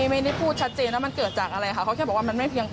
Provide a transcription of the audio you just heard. ไม่ได้พูดชัดเจนว่ามันเกิดจากอะไรค่ะเขาแค่บอกว่ามันไม่เพียงพอ